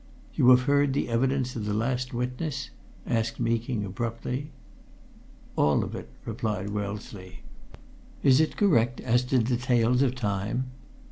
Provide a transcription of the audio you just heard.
"You have heard the evidence of the last witness?" asked Meeking abruptly. "All of it," replied Wellesley. "Is it correct as to details of time?"